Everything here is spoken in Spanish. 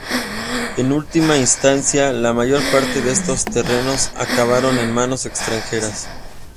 En última instancia, la mayor parte de estos terrenos acabaron en manos extranjeras.